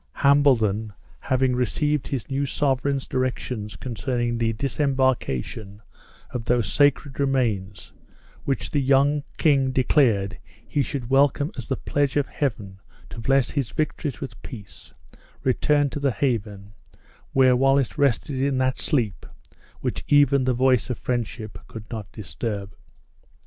Hambledon, having received his new sovereign's directions concerning the disembarkation of those sacred remains, which the young king declared he should welcome as the pledge of Heaven to bless his victories with peace, returned to the haven, where Wallace rested in that sleep which even the voice of friendship could not disturb.